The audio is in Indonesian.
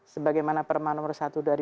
sebagaimana perma nomor satu dua ribu enam belas